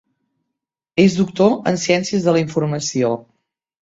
És doctor en Ciències de la Informació.